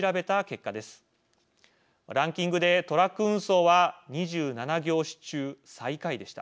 ランキングでトラック運送は２７業種中最下位でした。